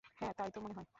হ্যাঁ, তাই তো মনে হয়।